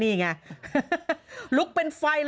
พี่เปิด